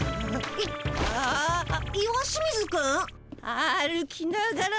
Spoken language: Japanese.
歩きながら。